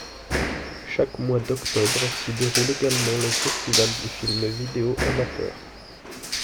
Chaque mois d'octobre, s'y déroule également le festival du film vidéo amateur.